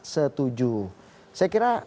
setuju saya kira